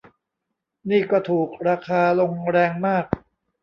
นี่ก็ถูก ราคาลงแรงมาก